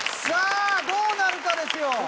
さあどうなるかですよ。